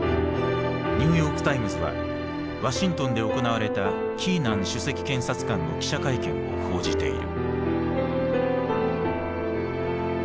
ニューヨークタイムズはワシントンで行われたキーナン首席検察官の記者会見を報じている。